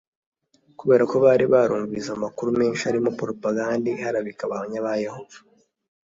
kubera ko bari barumvise amakuru menshi arimo poropagande iharabika Abahamya ba Yehova